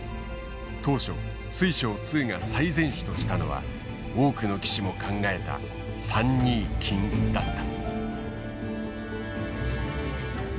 当初水匠２が最善手としたのは多くの棋士も考えた３二金だった。